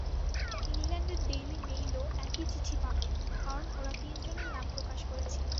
ইংল্যান্ডের ডেইলি মেইলও একই চিঠি পাবে কারণ ওরা তিনজনের নাম প্রকাশ করেছিল।